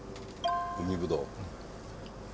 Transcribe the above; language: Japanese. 海ぶどう。